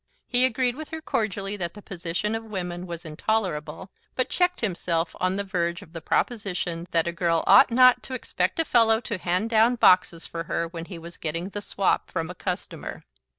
He agreed with her cordially that the position of women was intolerable, but checked himself on the' verge of the proposition that a girl ought not to expect a fellow to hand down boxes for her when he was getting the 'swap' from a customer.